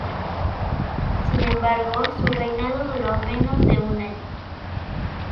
Sin embargo, su reinado duró menos de un año.